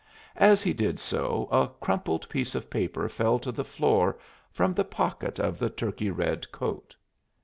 As he did so a crumpled piece of paper fell to the floor from the pocket of the turkey red coat.